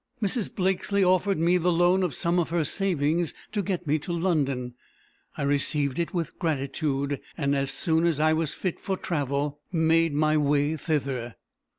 Mrs. Blakesley offered me the loan of some of her savings to get me to London. I received it with gratitude, and as soon as I was fit to travel, made my way thither.